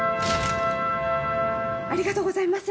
ありがとうございます！